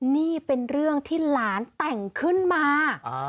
นี่เป็นเรื่องที่หลานแต่งขึ้นมา